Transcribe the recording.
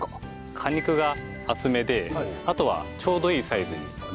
果肉が厚めであとはちょうどいいサイズになりやすいと。